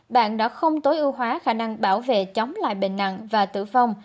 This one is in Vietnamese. bạn đã không tối ưu hóa khả năng bảo vệ chống lại bệnh nặng và tử vong